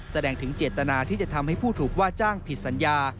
แสดงถึงเจตนาที่จะทำให้ผู้ถูกว่าจ้างผิดสัญญา